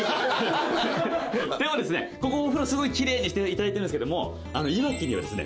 でもここお風呂すごいキレイにしていただいてるんですけどもいわきにはですね